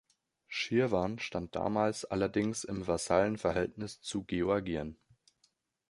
Schirwan stand damals allerdings im Vasallenverhältnis zu Georgien.